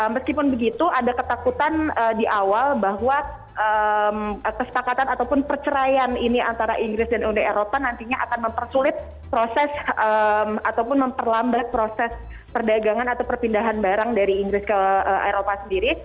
meskipun begitu ada ketakutan di awal bahwa kesepakatan ataupun perceraian ini antara inggris dan uni eropa nantinya akan mempersulit proses ataupun memperlambat proses perdagangan atau perpindahan barang dari inggris ke eropa sendiri